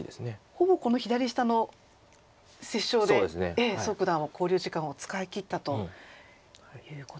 ほぼこの左下の折衝で蘇九段は考慮時間を使いきったということです。